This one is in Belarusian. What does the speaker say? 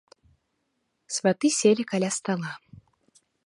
Сваты селі каля стала.